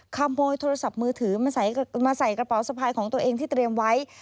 ขโมยโทรศัพท์มือถือมาใส่กระเป๋าสะพายของตัวเองที่เตรียมไว้